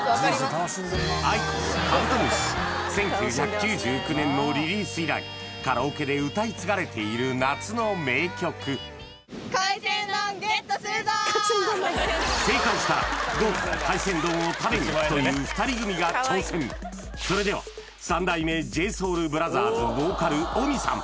ａｉｋｏの「カブトムシ」１９９９年のリリース以来カラオケで歌い継がれている夏の名曲正解したら豪華なそれでは三代目ＪＳＯＵＬＢＲＯＴＨＥＲＳボーカルＭＩさん